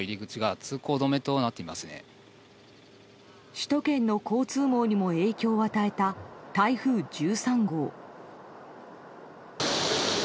首都圏の交通網にも影響を与えた台風１３号。